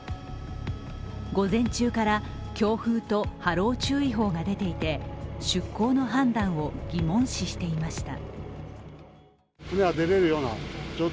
午前中から強風と波浪注意報が出ていて出航の判断を疑問視していました。